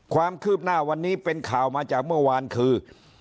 ความคืบหน้าวันนี้เป็นข่าวมาจากเมื่อวานคือ